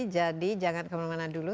jadi jangan kemana mana dulu